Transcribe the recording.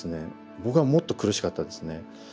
僕はもっと苦しかったですね。